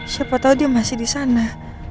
siapa tahu dia masih di sana